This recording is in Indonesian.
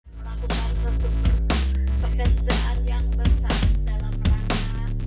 melakukan suatu pekerjaan yang besar dalam rangka